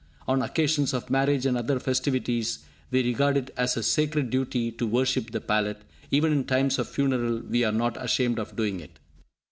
On occasions of marriage and other festivities, we regard it as a sacred duty to worship the palate; even in times of funeral, we are not ashamed of doing it.